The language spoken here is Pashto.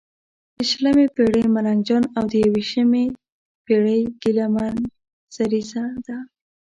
د شلمې پېړۍ ملنګ جان او د یوویشمې پېړې ګیله من سریزه ده.